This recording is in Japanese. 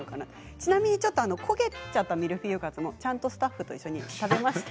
ちなみに焦げちゃったミルフィーユカツもちゃんとスタッフと一緒に食べました。